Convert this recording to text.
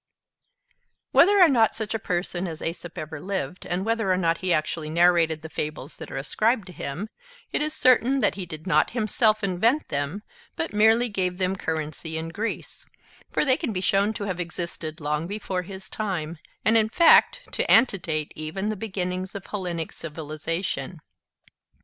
Whether or not such a person as Aesop ever lived, and whether or not he actually narrated the fables that are ascribed to him, it is certain that he did not himself invent them, but merely gave them currency in Greece; for they can be shown to have existed long before his time, and in fact to antedate even the beginnings of Hellenic civilization.